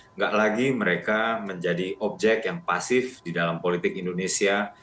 enggak lagi mereka menjadi objek yang pasif di dalam politik indonesia